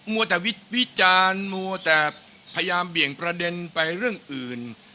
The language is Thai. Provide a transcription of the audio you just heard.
วัวแต่วิจารณ์มัวแต่พยายามเบี่ยงประเด็นไปเรื่องอื่น